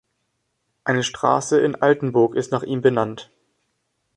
Eine Straße in Altenburg ist nach ihm benannt.